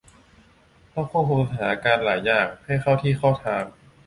ต้องควบคุมสถานการณ์หลายอย่างให้เข้าที่เข้าทาง